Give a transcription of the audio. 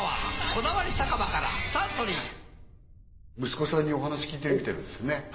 「こだわり酒場」からサントリー息子さんにお話聞いてみてるんですよね